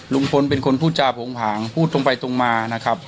ลุงพลเป็นคนพูดจาโผงผางพูดตรงไปตรงมานะครับ